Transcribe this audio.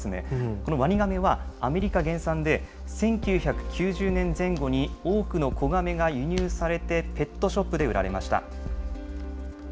このワニガメは、アメリカ原産で、１９９０年前後に多くの子ガメが輸入されてペットショップで売られました。